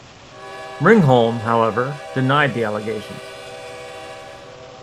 Ringholm, however, denied the allegations.